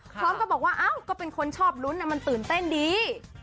ก็บอกว่าอ้าวก็เป็นคนชอบลุ้นมันตื่นเต้นดี